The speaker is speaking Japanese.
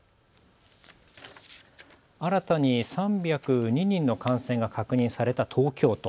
新たに３０２人の感染が確認された東京都。